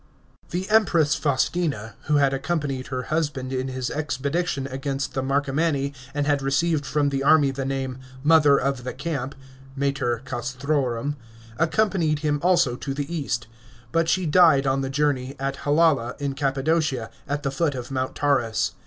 § 16. The Empress Faustina, who had accompanied her husband in his expedition against the Marcomanni and had received from the army the name " Mother of the Camp " (Mater Castrorum), accompanied him also to the east. But she died on the journey, at Halala in Cappadocia, at the foot of Mount Taurus.